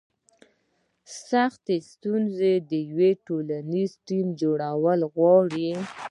سختې ستونزې د یو ټولنیز ټیم جوړول غواړي.